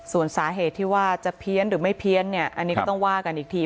ส่วนสาเหตุที่ว่าจะเพี้ยนหรือไม่เพี้ยนเนี่ยอันนี้ก็ต้องว่ากันอีกที